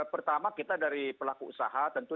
pertama kita dari pelaku usaha tentu